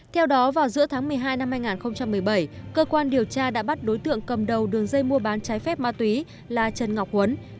theo đó vào giữa tháng một mươi hai năm hai nghìn một mươi bảy cơ quan điều tra đã bắt đối tượng cầm đầu đường dây mua bán trái phép ma túy là trần ngọc huấn